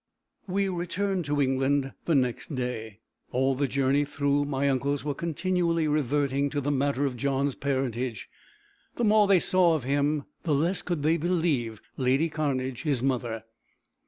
We returned to England the next day. All the journey through, my uncles were continually reverting to the matter of John's parentage: the more they saw of him, the less could they believe lady Cairnedge his mother.